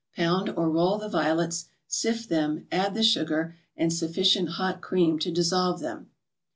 Pound or roll the violets, sift them, add the sugar and sufficient hot cream to dissolve them.